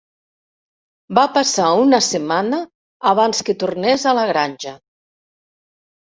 Va passar una setmana abans que tornés a la granja.